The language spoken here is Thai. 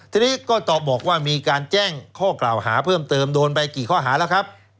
ทีนี้ก็ตอบบอกว่ามีการแจ้งข้อกล่าวหาเพิ่มเติมโดนไปกี่ข้อหาแล้วครับ